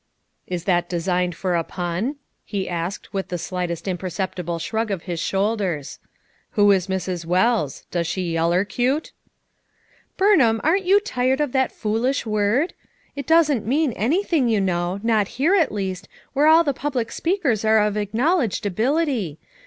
"Is that designed for a pun?" he asked with FOUR MOTHERS AT CHAUTAUQUA 187 the slightest perceptible shrug of Ms shoulders. "Who is Mrs. Wells? Does she yellercuter' "Burnhain, aren't you tired of that foolish Word? it doesn't mean anything, you know; not here at least, where all the public readers are of acknowledged ability.